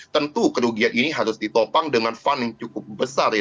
tentu kerugian ini harus ditopang dengan funding cukup besar ya